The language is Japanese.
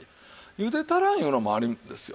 ゆで足らんいうのもあるんですよ。